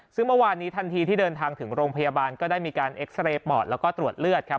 ซึ่งเมื่อวานนี้ทันทีที่เดินทางถึงโรงพยาบาลก็ได้มีการเอ็กซาเรย์ปอดแล้วก็ตรวจเลือดครับ